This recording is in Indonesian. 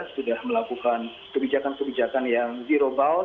sudah melakukan kebijakan kebijakan yang zero bound